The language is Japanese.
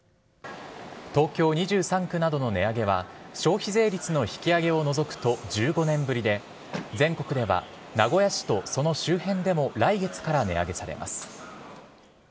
東京２３区などの値上げは、消費税率の引き上げを除くと１５年ぶりで、全国では名古屋市とその周辺でも来月から値上げされます。